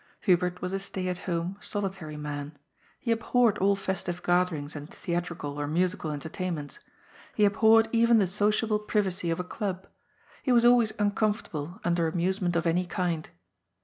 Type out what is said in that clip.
Hubert was a stay at home, solitary man. He abhorred all festive gatherings and theatrical or musical entertain ments. He abhorred even the sociable privacy of a club. He was always uncomfortable under amusement of any kind.